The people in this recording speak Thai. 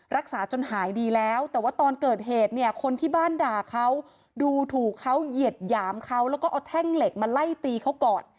รักษาจนหายดีแล้วแต่ว่าตอนเกิดเหตุเนี่ยคนที่บ้านด่าเขาดูถูกเขาเหยียดหยามเขาแล้วก็เอาแท่งเหล็กมาไล่ตีเขาก่อน